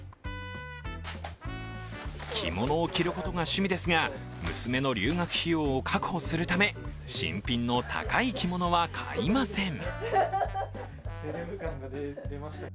着物を着ることが趣味ですが、娘の留学費用を確保するため、新品の高い着物は買いません。